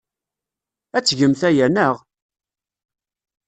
Ad tgemt aya, naɣ?